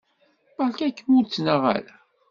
Beṛka-kem ur ttnaɣ ara.